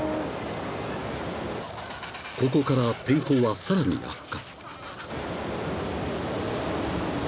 ［ここから天候はさらに悪化］